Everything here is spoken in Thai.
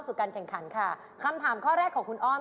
อืมเป็นเรียกเจ้ามาก่อนครับขอฟังสักกรอน